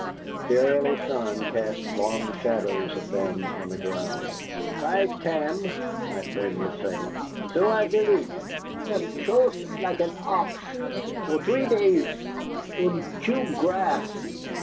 The early sun cast long shadows of them on the ground. "By tam," my friend was saying, "so I vill eat. I am choost like an ox for three days, und chew grass.